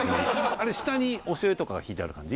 あれ下にお醤油とかがひいてある感じ？